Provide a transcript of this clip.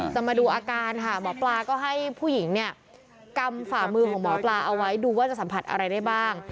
จะมาดูอาการค่ะหมอปลาก็ให้ผู้หญิงเนี่ยกำฝ่ามือของหมอปลาเอาไว้ดูว่าจะสัมผัสอะไรได้บ้าง